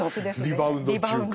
リバウンドっちゅうか。